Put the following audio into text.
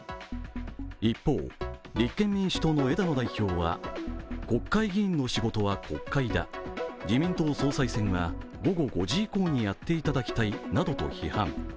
一方、立憲民主党の枝野代表は国会議員の仕事は国会だ自民党総裁選は午後５時以降にやっていただきたいと、批判。